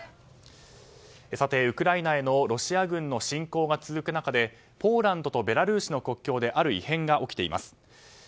さて、ウクライナへのロシア軍の侵攻が続く中でポーランドとベラルーシの国境である異変が起きています。